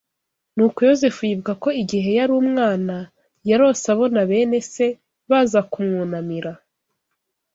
Nuko Yozefu yibuka ko igihe yari umwana yarose abona bene se baza kumwunamira